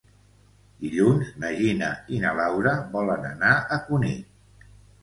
Dilluns na Gina i na Laura volen anar a Cunit.